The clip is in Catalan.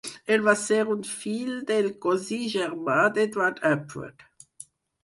Ell va ser un fill del cosí germà d'Edward Upward.